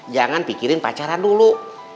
jangan pikirin pacaran dulu